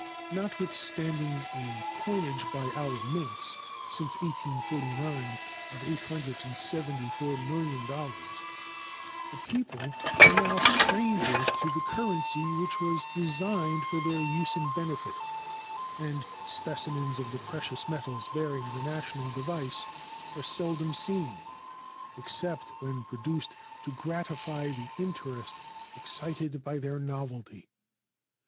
Notwithstanding a coinage by our mints, since 1849, of $874,000,000, the people are now strangers to the currency which was designed for their use and benefit, and specimens of the precious metals bearing the national device are seldom seen, except when produced to gratify the interest excited by their novelty.